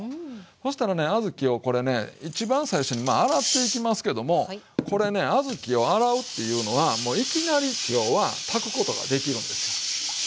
そしたらね小豆をこれね一番最初に洗っていきますけどもこれね小豆を洗うっていうのはもういきなり要は炊くことができるんですよ。